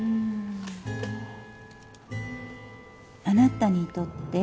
「あなたにとって」